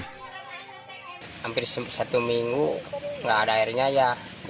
hampir satu minggu nggak ada airnya ya